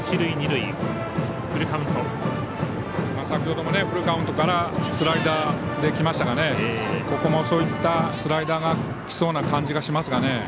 先ほどもフルカウントからスライダーできましたからここもそういったスライダーがきそうな感じがしますけどね。